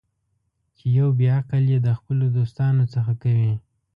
چې یو بې عقل یې د خپلو دوستانو څخه کوي.